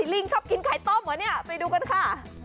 ลิงชอบกินไข่ต้มเหรอเนี่ยไปดูกันค่ะ